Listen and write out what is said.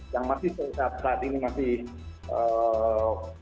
yang masih saat ini masih eee